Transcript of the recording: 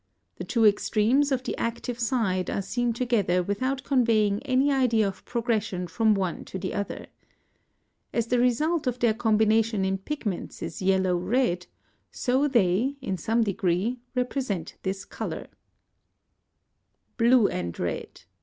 The two extremes of the active side are seen together without conveying any idea of progression from one to the other. As the result of their combination in pigments is yellow red, so they in some degree represent this colour. BLUE AND RED.